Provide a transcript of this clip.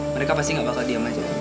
mereka pasti gak bakal diam aja